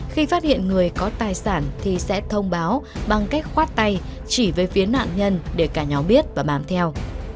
khi phát hiện người có tài sản thì sẽ thông báo bằng cách khoát tay chỉ với phía nạn nhân để cả nhóm biết và bám theo